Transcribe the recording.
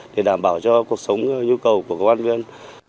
để đảm bảo cho cuộc sống nhu cầu của công an nhân viên